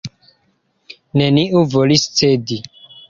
Neniu volis cedi.